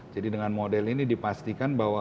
jadi dengan model ini dipastikan bahwa